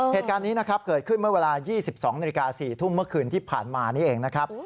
เหตุการณ์นี้นะครับเกิดขึ้นเมื่อเวลา๒๒นาฬิกา๔ทุ่มเมื่อคืนที่ผ่านมานี่เองนะครับ